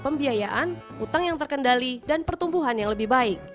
pembiayaan utang yang terkendali dan pertumbuhan yang lebih baik